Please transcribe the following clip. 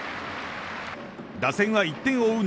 打線は１点を追う